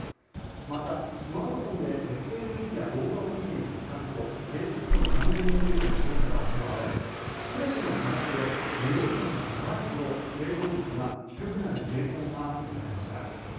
またスマートフォンでＳＮＳや動画を見ている時間と成績との関連についても調査が行われ全ての科目で利用時間が長いほど正答率が低くなる傾向が見られました。